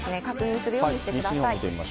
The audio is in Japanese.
確認するようにしてください。